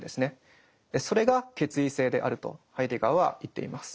それが「決意性」であるとハイデガーは言っています。